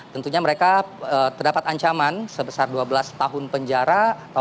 tentunya mereka terdapat ancaman sebesar dua belas tahun penjara